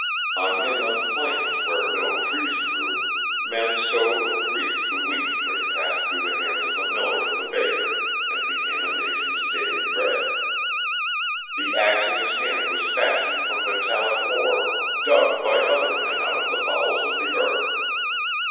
On inland plains where no trees grew, men sowed and reaped the wheat which passed through the hands of the miller and the baker and became a nation's daily bread. The axe in his hand was fashioned from metallic ore dug by other men out of the bowels of the earth.